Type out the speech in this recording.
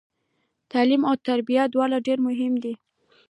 تعلیم او تربیه دواړه ډیر مهم دي